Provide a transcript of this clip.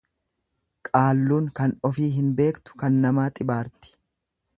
Qaalluun kan ofii hin beektu kan namaa xibaarti.